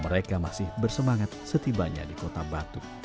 mereka masih bersemangat setibanya di kota batu